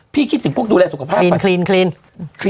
ไม่ถึงพวกดูแลสุขภาพ